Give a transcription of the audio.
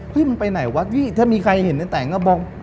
เฮ้ยมันไปไหนวะถ้ามีใครเห็นในแต่งก็บอก